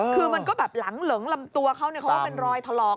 คือมันก็หลังเหลืองลำตัวเขามีรอยทะลอก